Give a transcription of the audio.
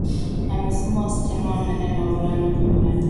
amesema wasichana wanane na wavulana kumi na tatu